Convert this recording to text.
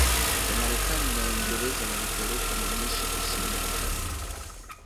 Wamarekani na Waingereza walipeleka wanajeshi Kusini mwa Italia